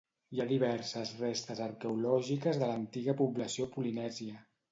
Hi ha diverses restes arqueològiques de l'antiga població polinèsia.